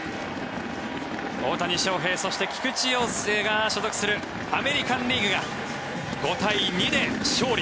大谷翔平そして菊池雄星が所属するアメリカン・リーグが５対２で勝利。